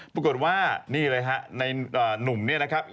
ปรากฏว่านี่เลยฮะในหนุ่มเนี่ยนะครับ